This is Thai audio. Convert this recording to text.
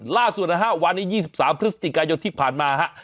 ล่าสุดนะฮะวันนี้๒๓พฤศจิกายนที่ผ่านมาฮะ